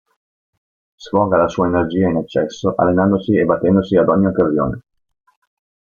Sfoga la sua energia in eccesso allenandosi e a battendosi ad ogni occasione.